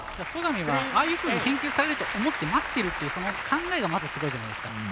戸上は、ああいうふうに返球されると思って待っているという考えがすごいじゃないですか。